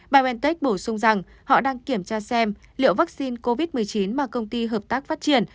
biontech bổ sung rằng họ đang kiểm tra xem liệu vaccine covid một mươi chín mà công ty hợp tác phát triển